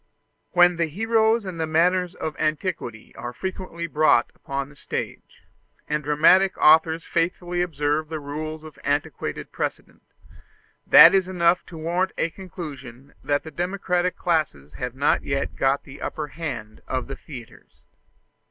When the heroes and the manners of antiquity are frequently brought upon the stage, and dramatic authors faithfully observe the rules of antiquated precedent, that is enough to warrant a conclusion that the democratic classes have not yet got the upper hand of the theatres.